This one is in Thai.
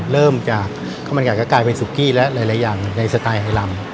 เริ่มจากข้าวมันไก่ก็กลายเป็นสุกี้และหลายอย่างในสไตล์ไฮรัม